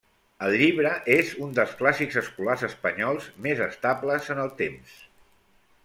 El llibre és un dels clàssics escolars espanyols més estables en el temps.